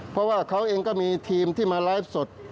เพราะว่าเขาเองก็มีทีมที่มารายเลือนแรมสด